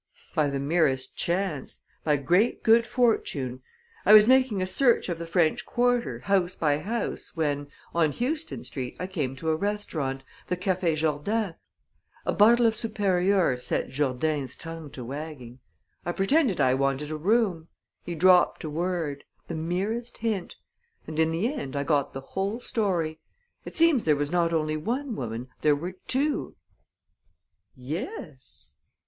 "By the merest chance by great good fortune. I was making a search of the French quarter, house by house, when, on Houston Street, I came to a restaurant, the Café Jourdain. A bottle of supérieur set Jourdain's tongue to wagging; I pretended I wanted a room; he dropped a word, the merest hint; and, in the end, I got the whole story. It seems there was not only one woman, there were two." "Yes?"